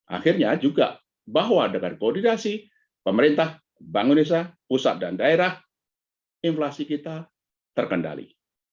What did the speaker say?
akhirnya juga bahwa dengan koordinasi pemerintah bank indonesia pusat dan daerah inflasi kita terkendali